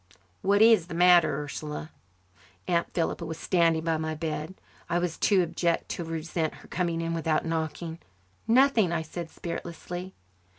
"What is the matter, Ursula?" Aunt Philippa was standing by my bed. I was too abject to resent her coming in without knocking. "Nothing," I said spiritlessly.